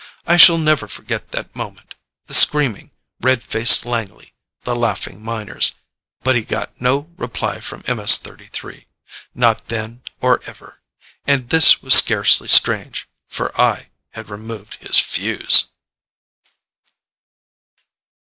I shall never forget that moment. The screaming, red faced Langley, the laughing miners. But he got no reply from MS 33. Not then or ever. And this was scarcely strange, for I had removed his fuse.